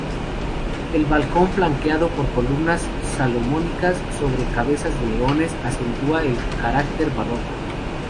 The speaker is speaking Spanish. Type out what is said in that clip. El balcón, flanqueado por columnas salomónicas sobre cabezas de leones, acentúa el carácter barroco.